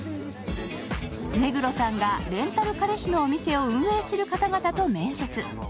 目黒さんがレンタル彼氏のお店を運営する方々と面接。